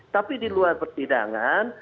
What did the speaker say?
tapi di luar persidangan